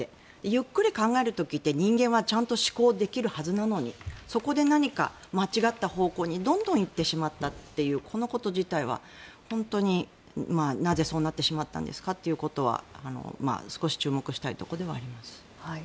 ゆっくり考える時って人間はちゃんと思考できるはずなのにそこで何か間違った方向にどんどん行ってしまったというこのこと自体はなぜそうなってしまったんですかということは少し注目したいところではあります。